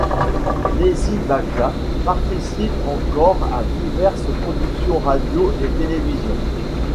Daisy Bacca participe encore à diverses productions radio et télévision.